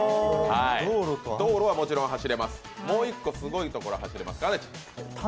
道路はもちろん走れます、もう１個、すごいところを走れます。